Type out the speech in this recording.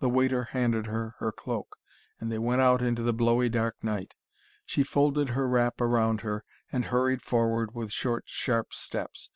The waiter handed her her cloak, and they went out into the blowy dark night. She folded her wrap round her, and hurried forward with short, sharp steps.